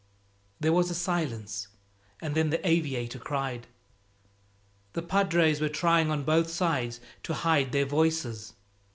There was a silence, and then the aviator cried, "The padres were trying on both sides to hide their voices."